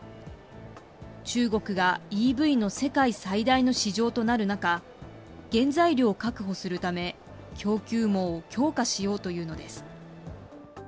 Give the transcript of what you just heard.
中国がＥＶの世界最大の市場となる中、原材料を確保するため、供給網を強化しようというのです。